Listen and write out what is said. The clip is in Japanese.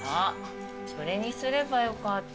それにすればよかった。